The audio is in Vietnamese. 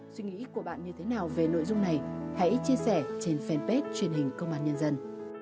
suy nghĩ của bạn như thế nào về nội dung này hãy chia sẻ trên fanpage truyền hình công an nhân dân